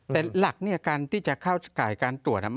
แต่หลักเนี่ยการที่จะเข้าข่ายการตรวจ